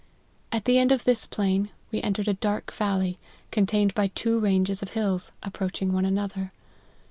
At the end of this plain, we entered a dark valley, contained by two ranges of hills, approaching one another.